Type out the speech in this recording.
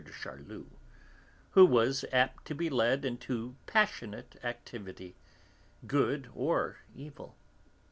de Charlus, who was apt to be led into passionate activity, good or evil.